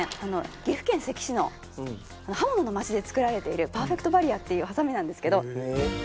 岐阜県関市の刃物の町で作られているパーフェクトバリアっていうハサミなんですけど。